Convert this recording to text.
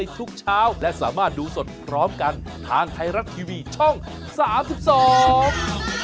ทุกเช้าและสามารถดูสดพร้อมกันทางไทยรัฐทีวีช่องสามสิบสอง